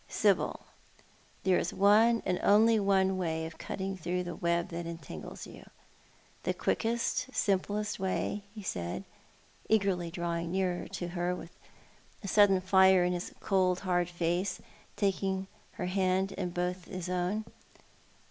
" Sibyl, there is one — and only one — way of cutting through the web that entangles you. The quickest, simplest way," he said, eagerly, drawing nearer to her, with a sudden fire in his What People said. igi cold hard face, taking ber hand in both his own.